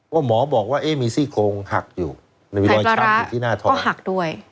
ว่าหมอบอกว่าเอ๊ะมีสี่โครงหักอยู่ใกล้ไตรปลาระก็หักด้วย